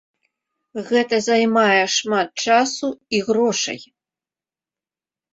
Гэта займае шмат часу і грошай.